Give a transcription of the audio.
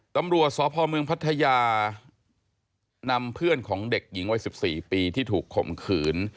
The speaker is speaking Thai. ตำรวจสพเมืองพัทยานำเพื่อนของเด็กหญิงวัย๑๔ปีที่ถูกข่มขืน